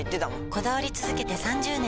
こだわり続けて３０年！